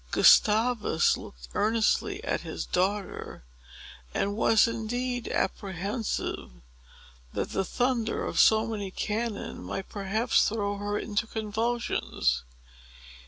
Gustavus looked earnestly at his daughter, and was indeed apprehensive that the thunder of so many cannon might perhaps throw her into convulsions.